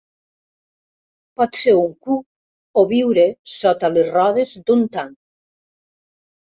Pot ser un cuc o viure sota les rodes d'un tanc.